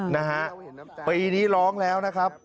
ไปปีนี้ร้องแล้ว